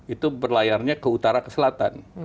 itu berlayarnya ke utara ke selatan